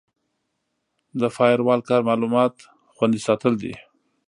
د فایروال کار معلومات خوندي ساتل دي.